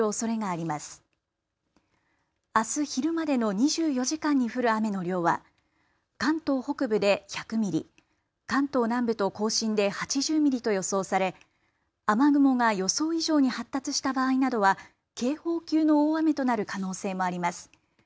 あす昼までの２４時間に降る雨の量は関東北部で１００ミリ、関東南部と甲信で８０ミリと予想され雨雲が予想以上に発達した場合などは警報級の大雨となる可能性もあります。